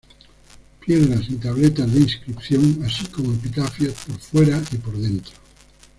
Piedras y tabletas de inscripción, así como epitafios por fuera y por dentro.